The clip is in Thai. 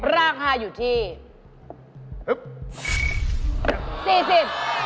ราคาอยู่ที่